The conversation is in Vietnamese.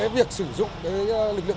việc sử dụng lực lượng